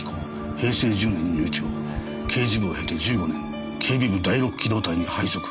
平成１０年入庁刑事部を経て１５年警備部第六機動隊に配属。